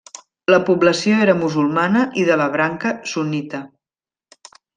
La població era musulmana i de la branca sunnita.